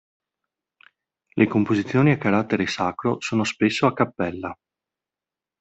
Le composizioni di carattere sacro sono spesso a cappella.